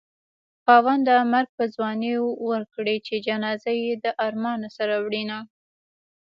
خاونده مرګ په ځوانۍ ورکړې چې جنازه يې د ارمانه سره وړينه